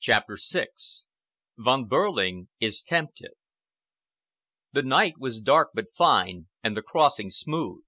CHAPTER VI VON BEHRLING IS TEMPTED The night was dark but fine, and the crossing smooth.